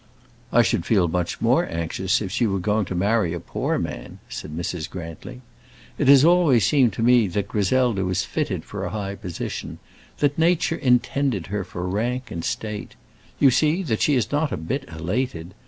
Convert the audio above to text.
"I should feel much more anxious if she were going to marry a poor man," said Mrs. Grantly. "It has always seemed to me that Griselda was fitted for a high position; that nature intended her for rank and state. You see that she is not a bit elated.